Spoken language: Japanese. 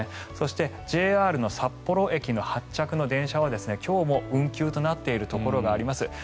そして、ＪＲ札幌駅発着の電車は今日も運休となっているところがあります。